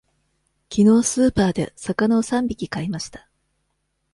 きのうスーパーで魚を三匹買いました。